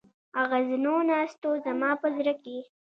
اغزنو ناستو زما په زړه کې.